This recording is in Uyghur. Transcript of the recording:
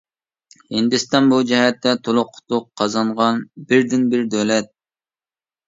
ھىندىستان بۇ جەھەتتە تولۇق ئۇتۇق قازانغان بىردىنبىر دۆلەت.